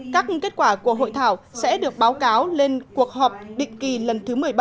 các kết quả của hội thảo sẽ được báo cáo lên cuộc họp định kỳ lần thứ một mươi bảy